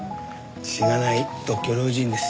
しがない独居老人です。